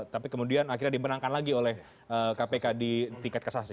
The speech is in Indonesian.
tapi kemudian akhirnya dimenangkan lagi oleh kpk